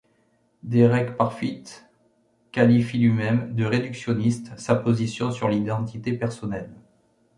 Derek Parfit qualifie lui-même de réductionniste sa position sur l'identité personnelle.